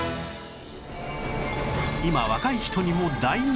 今若い人にも大人気！